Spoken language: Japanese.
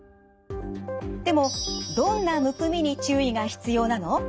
でもどんなむくみに注意が必要なの？